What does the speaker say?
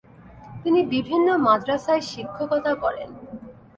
তিনি বিভিন্ন মাদ্রাসায় শিক্ষকতা করেন।